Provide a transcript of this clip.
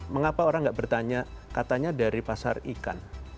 mengapa orang tidak bertanya katanya dari pasar ikan